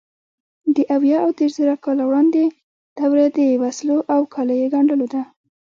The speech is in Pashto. د اویا او دېرشزره کاله وړاندې دوره د وسلو او کالیو ګنډلو ده.